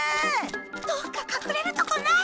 どっかかくれるとこない？